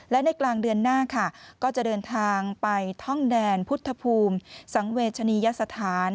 และในกลางเดือนหน้าค่ะก็จะเดินทางไปท่องแดนพุทธภูมิสังเวชนียสถาน